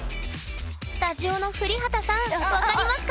スタジオの降幡さん分かりますか？